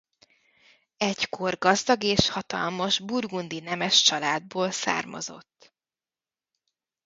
Egykor gazdag és hatalmas burgundi nemes családból származott.